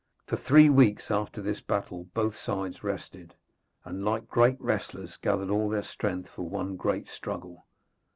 For three weeks after this battle both sides rested, and like great wrestlers gathered all their strength for one great struggle.